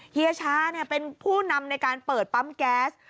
เฮียช้าเป็นผู้นำในการเปิดปั๊มแก๊ส